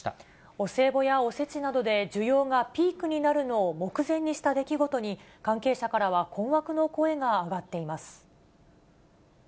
お歳暮やおせちなどで需要がピークになるのを目前にした出来事に、関係者からは困惑の声が上がっています。